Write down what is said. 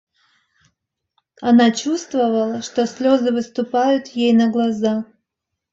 Она чувствовала, что слезы выступают ей на глаза.